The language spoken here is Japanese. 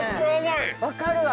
分かるわ！